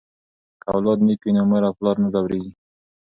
که اولاد نیک وي نو مور او پلار نه ځورېږي.